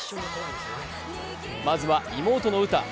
まずは妹の詩。